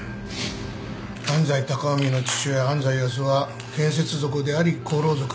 安斎高臣の父親安斎康雄は建設族であり厚労族。